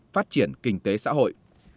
phát triển kinh tế xã hội